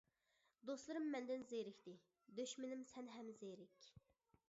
دوستلىرىم مەندىن زېرىكتى، دۈشمىنىم سەن ھەم زېرىك.